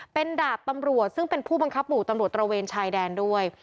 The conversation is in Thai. เป็นดาบตำรวจซึ่งเป็นผู้บังคับหมู่ตำรวจตระเวนชายแดนด้วย